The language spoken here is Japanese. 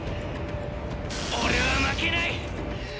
俺は負けない！